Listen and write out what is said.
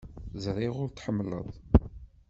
Ẓriɣ ur t-tḥemmleḍ.